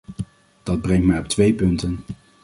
Dat brengt mij op twee punten.